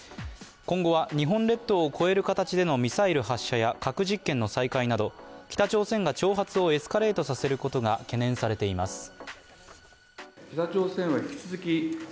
今後は日本列島を越える形でのミサイル発射や核実験の再開など、北朝鮮が挑発をエスカレートさせることが懸念されています。